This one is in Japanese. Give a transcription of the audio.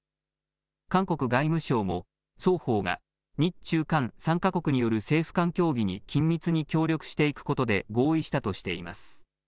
韓国外務省も双方が日中韓３か国による政府間協議に緊密に協力していくことで合意したとしています。